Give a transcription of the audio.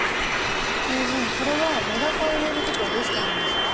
名人これはメダカを入れる時はどうしたらいいんですか？